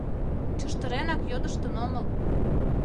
Чыштыренак йодыштын омыл.